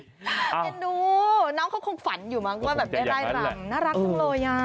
นี่ดูน้องเขาคงฝันอยู่มั้งว่าแบบไล่ลำน่ารักซักลงเลย